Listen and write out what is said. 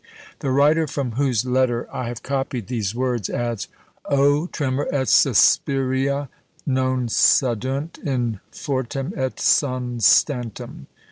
The writer from whose letter I have copied these words adds, _O tremor et suspiria non cadunt in fortem et constantem.